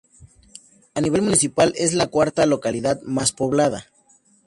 A nivel municipal es la cuarta localidad más poblada.